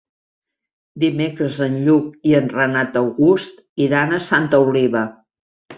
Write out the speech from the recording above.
Dimecres en Lluc i en Renat August iran a Santa Oliva.